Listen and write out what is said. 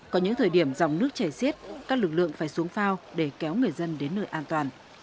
có những thời điểm dòng nước chảy xiết các lực lượng phải xuống phao để kéo người dân đến nơi an toàn